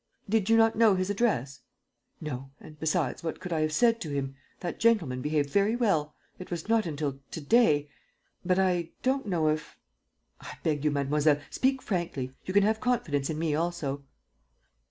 "Did you not know his address?" "No. And, besides, what could I have said to him? That gentleman behaved very well. It was not until to day ... But I don't know if ..." "I beg you, mademoiselle, speak frankly. You can have confidence in me also."